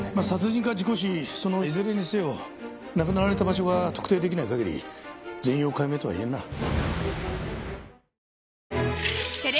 殺人か事故死そのいずれにせよ亡くなられた場所が特定出来ない限り全容解明とは言えんな。